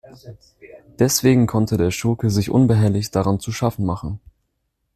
Deswegen konnte der Schurke sich unbehelligt daran zu schaffen machen.